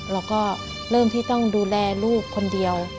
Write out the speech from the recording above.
เราก็เริ่มที่ต้องดูแลลูกคนเดียว